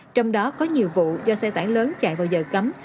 trong đó có nhiều vụ do xe tải lớn chạy vào giờ cấm